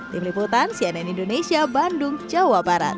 tim liputan cnn indonesia bandung jawa barat